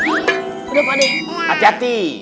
udah padek hati hati